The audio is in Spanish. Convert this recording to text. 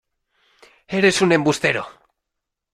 ¡ Eres un embustero!